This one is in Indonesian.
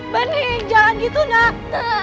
bending jangan gitu nak